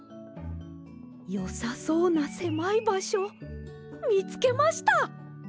よさそうなせまいばしょみつけました！